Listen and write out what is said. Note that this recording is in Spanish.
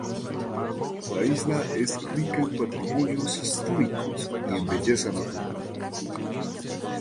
La isla es rica en patrimonios históricos y en belleza natural.